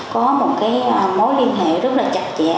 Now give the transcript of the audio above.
có một cái mối liên hệ rất là chặt chẽ